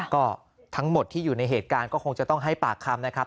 ก็ทั้งหมดที่อยู่ในเหตุการณ์ก็คงจะต้องให้ปากคำนะครับ